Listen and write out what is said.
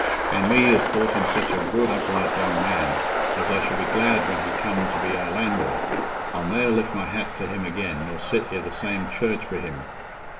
An' me, as thought him such a good upright young man, as I should be glad when he come to be our landlord. I'll ne'er lift my hat to him again, nor sit i' the same church wi' him...